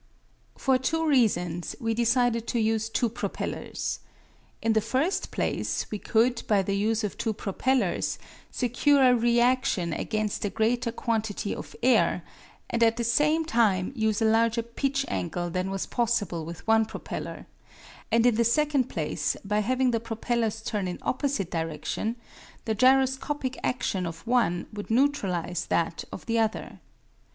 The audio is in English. For two reasons we decided to use two propellers. In the first place we could, by the use of two propellers, secure a reaction against a greater quantity of air, and at the same time use a larger pitch angle than was possible with one propeller; and in the second place by having the propellers turn in opposite directions, the gyroscopic action of one would neutralize that of the other.